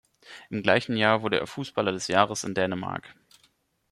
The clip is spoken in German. Im gleichen Jahr wurde er Fußballer des Jahres in Dänemark.